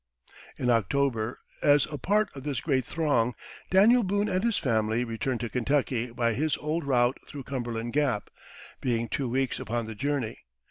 In October, as a part of this great throng, Daniel Boone and his family returned to Kentucky by his old route through Cumberland Gap, being two weeks upon the journey.